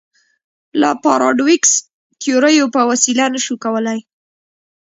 له پاراډوکسي تیوریو په وسیله نه شو کولای.